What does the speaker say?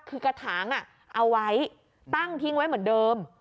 คือกระถางเอาไว้ตั้งทิ้งไว้เหมือนเดิม